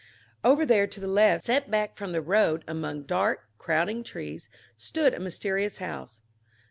Off there to the left, set back from the road among dark, crowding trees, stood a mysterious house.